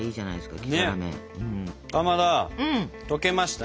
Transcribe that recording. かまど溶けましたね。